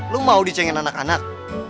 lo mau dicengin anak anak